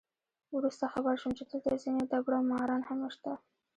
وروسته خبر شوم چې دلته ځینې دبړه ماران هم شته.